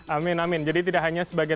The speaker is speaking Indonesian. amin amin jadi tidak hanya sebagai